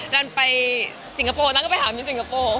ตันไปสิงคโปร์ตันก็ไปหามิสสิงคโปร์